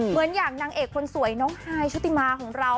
เหมือนอย่างนางเอกคนสวยน้องฮายชุติมาของเรา